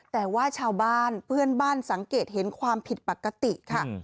แต่ว่าชาวบ้านเพื่อนบ้านสังเกตเห็นความผิดปกติค่ะ